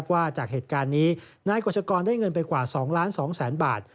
ว่าจากเหตุการณ์นี้นายกฎชกรได้เงินไปกว่า๒๒๐๐๐๐บาท